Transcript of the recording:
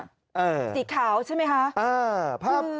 สีขาวใช่ไหมคะ